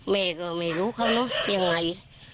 แม่ก็ไม่รู้เขาเนอะยังไง